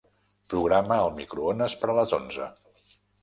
Programa el microones per a les onze.